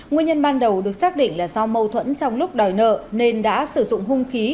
nguyên nhân ban đầu được xác định là do mâu thuẫn trong lúc đòi nợ nên đã sử dụng hung khí